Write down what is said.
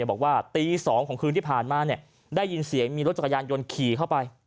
บอกว่าตี๒ของคืนที่ผ่านมาได้ยินเสียงมีรถจักรยานยนต์ขี่เข้าไป